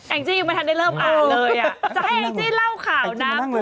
แองจี้ไม่ทันได้เริ่มอ่านเลย